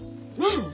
うん。